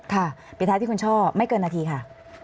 ค่ะไปทางที่คุณชอบไม่เกินนาทีค่ะ